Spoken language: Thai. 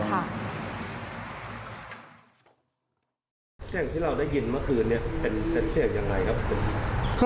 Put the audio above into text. เสียงที่เราได้ยินเมื่อคืนนี้เป็นเสียงยังไงครับ